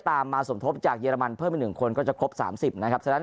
มาสมทบจากเยอรมันเพิ่มไป๑คนก็จะครบ๓๐นะครับฉะนั้น